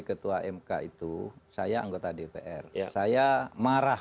ketua mk itu saya anggota dpr saya marah